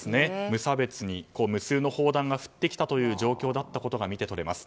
無差別に無数の砲弾が降ってきた状況だったことが見て取れます。